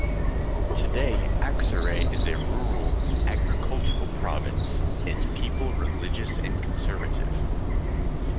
Today Aksaray is a rural, agricultural province, its people religious and conservative.